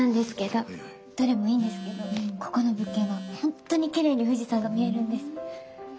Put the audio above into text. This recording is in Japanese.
どれもいいんですけどここの物件は本当にきれいに富士山が見えるんです。